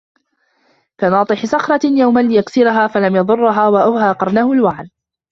كناطح صخرة يوما ليكسرها فلم يضرها وأوهى قرنه الوعل